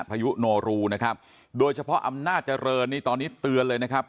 พายุโนรูนะครับโดยเฉพาะอำนาจเจริญนี่ตอนนี้เตือนเลยนะครับ